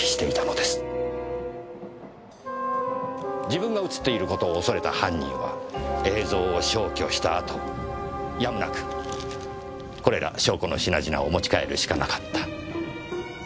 自分が映っている事を恐れた犯人は映像を消去した後やむなくこれら証拠の品々を持ち帰るしかなかった。